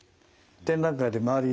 展覧会で周り